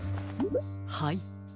はい。